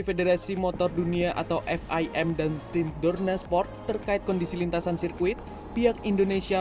federasi motor dunia atau fim dan tim dorna sport terkait kondisi lintasan sirkuit pihak indonesia